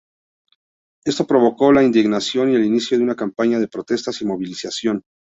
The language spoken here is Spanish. Esto provocó la indignación y el inicio de una campaña de protesta y movilización.